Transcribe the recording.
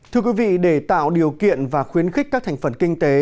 thưa quý vị để tạo điều kiện và khuyến khích các thành phần kinh tế